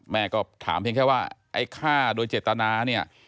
แม่ก็ถามเพียงแค่ว่าไอ้ฆ่าโดยเจตนาเนี่ย